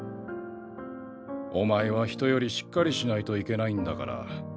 お前は人よりしっかりしないといけないんだから。